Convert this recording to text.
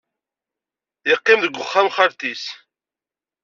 Yeqqim deg wexxam n xalti-s.